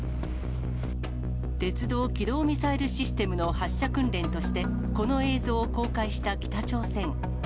鉄道機動ミサイルシステムの発射訓練として、この映像を公開した北朝鮮。